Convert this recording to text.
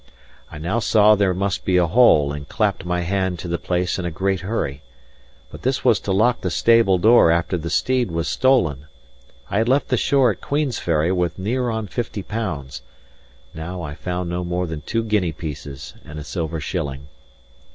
I now saw there must be a hole, and clapped my hand to the place in a great hurry. But this was to lock the stable door after the steed was stolen. I had left the shore at Queensferry with near on fifty pounds; now I found no more than two guinea pieces and a silver shilling.